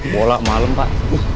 bola malem pak